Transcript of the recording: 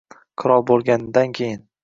- Qirol bo'lganidan keyin.